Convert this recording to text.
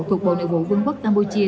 thuộc bộ nội vụ quân quốc campuchia